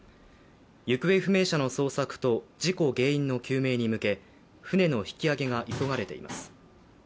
行方不明者の捜索と事故原因の究明に向け船の引き揚げが急がれています。